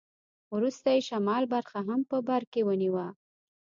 وروسته یې شمال برخه هم په برکې ونیوه.